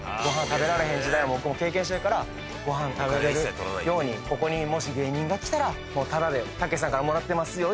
食べられへん時代も経験してるからご飯食べれるようにここにもし芸人が来たらタダでたけしさんからもらってますよ